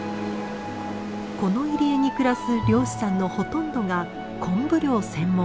この入り江に暮らす漁師さんのほとんどがコンブ漁専門。